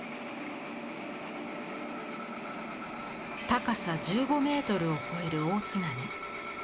高さ１５メートルを超える大津波。